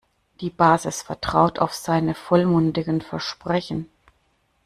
Die Basis vertraut auf seine vollmundigen Versprechen.